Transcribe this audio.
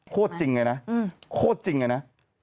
จริงเลยนะโคตรจริงเลยนะ